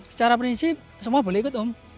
secara prinsip semua boleh ikut om